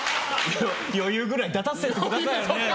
余裕ぐらい出させてください。